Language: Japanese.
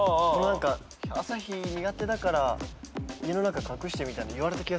「朝日苦手だから家の中隠して」みたいな言われた気がする。